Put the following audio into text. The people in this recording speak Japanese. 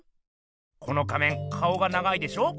この仮面顔が長いでしょ？